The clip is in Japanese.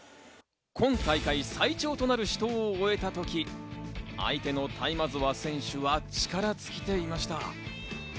今大会最長となる死闘を終えたとき、相手のタイマゾワ選手は力尽きていました。